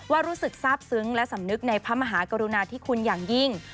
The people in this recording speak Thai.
รู้สึกทราบซึ้งและสำนึกในพระมหากรุณาธิคุณอย่างยิ่ง